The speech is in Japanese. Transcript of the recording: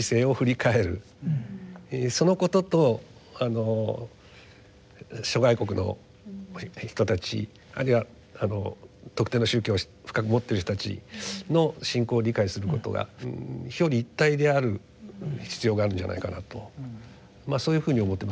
そのことと諸外国の人たちあるいは特定の宗教を深く持ってる人たちの信仰を理解することが表裏一体である必要があるんじゃないかなとそういうふうに思ってます。